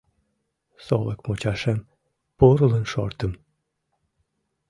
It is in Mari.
Солык мучашем пурлын шортым